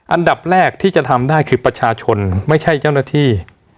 อันดับแรกที่จะทำได้คือประชาชนไม่ใช่เจ้าหน้าที่